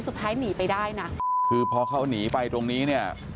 สุดท้ายหนีไปได้นะคือพอเขาหนีไปตรงนี้เนี่ย